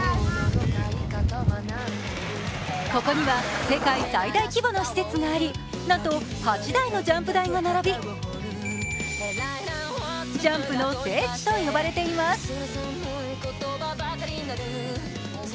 ここには世界最大規模の施設があり、なんと８台のジャンプ台も並びジャンプの聖地と言われています。